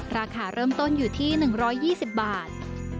ราคาเริ่มต้นอยู่ที่๑๒๐บาท